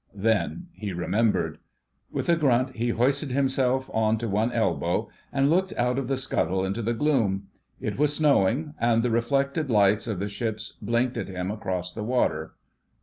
Then he remembered. With a grunt he hoisted himself on to one elbow and looked out of the scuttle into the gloom. It was snowing, and the reflected lights of the ships blinked at him across the water.